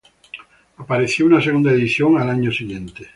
Apareció una segunda edición al año siguiente.